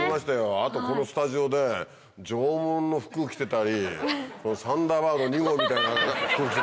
あとこのスタジオで縄文の服着てたりサンダーバード２号みたいな服着てたり。